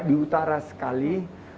di utara sekali